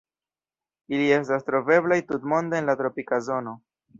Ili estas troveblaj tutmonde en la tropika zono.